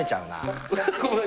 ごめん。